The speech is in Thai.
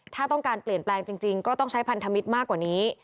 ถ้าต้องการเปลี่ยนแปลงจริงก็ต้องใช้พันธมิตรมากกว่านี้